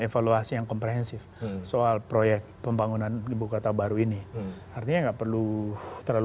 evaluasi yang komprehensif soal proyek pembangunan ibu kota baru ini artinya nggak perlu terlalu